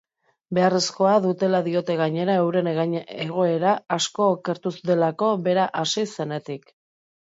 Beharrezkoa dutela diote gainera, euren egoera asko okertu delako bera hasi zenetik.